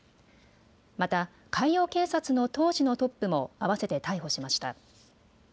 また海洋警察の当時のトップも合わせて逮捕しました。